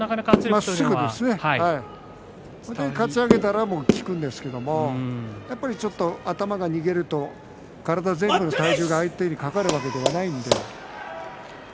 それでかち上げたら効くんですけどちょっと頭が逃げると体全部の体重が相手にかかるわけではないので。